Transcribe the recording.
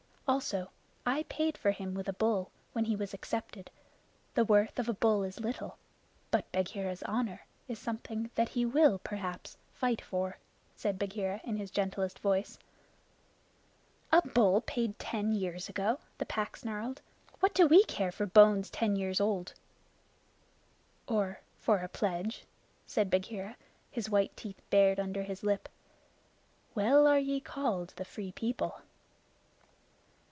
"Also, I paid for him with a bull when he was accepted. The worth of a bull is little, but Bagheera's honor is something that he will perhaps fight for," said Bagheera in his gentlest voice. "A bull paid ten years ago!" the Pack snarled. "What do we care for bones ten years old?" "Or for a pledge?" said Bagheera, his white teeth bared under his lip. "Well are ye called the Free People!"